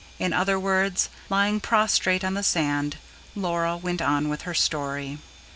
In other words, lying prostrate on the sand, Laura went on with her story.